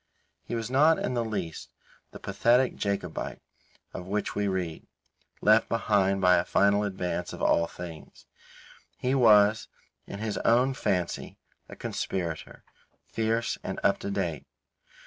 He was not in the least the pathetic Jacobite of whom we read, left behind by a final advance of all things. He was, in his own fancy, a conspirator, fierce and up to date.